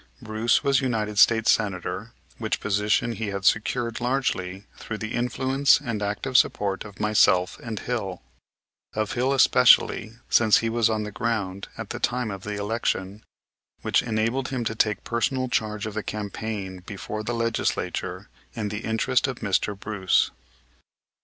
Bruce was United States Senator, which position he had secured largely through the influence and active support of myself and Hill, of Hill especially, since he was on the ground at the time of the election, which enabled him to take personal charge of the campaign before the Legislature in the interest of Mr. Bruce.